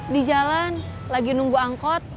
di jalan lagi nunggu angkot